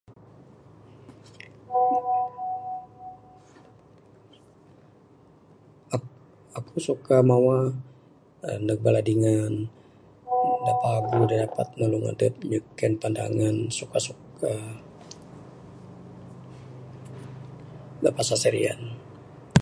Akuk suka mawa uhh ndug bala dingan da paguh da dapat nulung adup nyiken pandangan suka suka da pasar Serian.